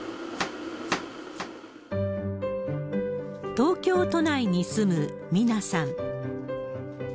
東京都内に住む美奈さん。